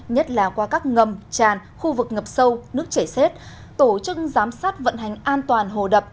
nhất là qua các ngầm tràn khu vực ngập sâu nước chảy xết tổ chức giám sát vận hành an toàn hồ đập